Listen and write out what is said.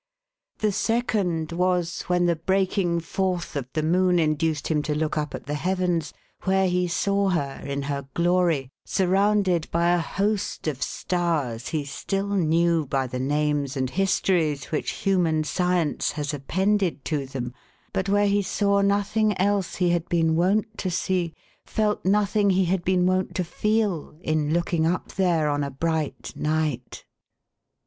The second was, when the breaking forth of the moon induced him to look up at the Heavens, where he saw her in her glory, surrounded by a host of stars he still knew by the names and histories which human science has appended to them ; but where he saw nothing else he had been wont to see, felt nothing he had been wont to feel, in looking up there, on a bright night.